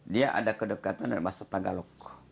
dia ada kedekatan dengan bahasa tagalog